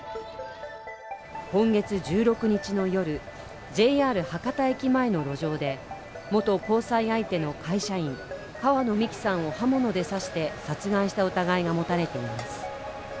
今月１６日の夜、ＪＲ博多駅前の路上で、元交際相手の会社員、川野美樹さんを刃物で刺して殺害した疑いが持たれています。